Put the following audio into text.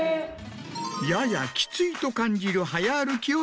ややきついと感じる。